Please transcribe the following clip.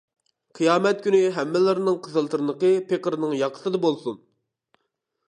قىيامەت كۈنى ھەممىلىرىنىڭ قىزىل تىرنىقى پېقىرنىڭ ياقىسىدا بولسۇن!